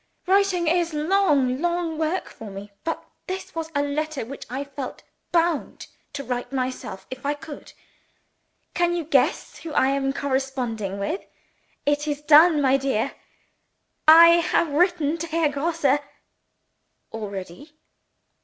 "Writing is long, long work for me. But this was a letter which I felt bound to write myself, if I could. Can you guess who I am corresponding with? It is done, my dear! I have written to Herr Grosse!" "Already!"